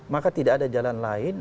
maka tidak ada jalan lain